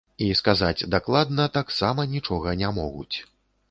І сказаць дакладна таксама нічога не могуць.